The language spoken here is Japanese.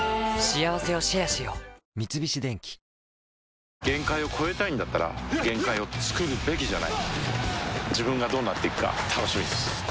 三菱電機限界を越えたいんだったら限界をつくるべきじゃない自分がどうなっていくか楽しみです